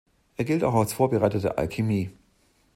Er gilt auch als Vorbereiter der Alchemie.